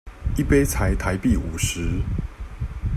一杯才台幣五十